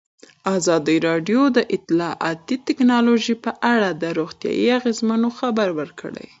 ازادي راډیو د اطلاعاتی تکنالوژي په اړه د روغتیایي اغېزو خبره کړې.